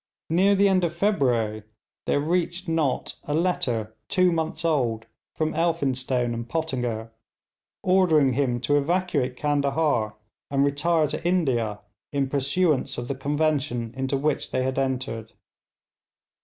Near the end of February there reached Nott a letter two months old from Elphinstone and Pottinger, ordering him to evacuate Candahar and retire to India, in pursuance of the convention into which they had entered.